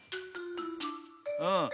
うん。